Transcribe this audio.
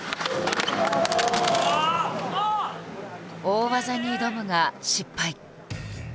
大技に挑むが失敗。